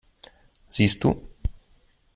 Siehst du?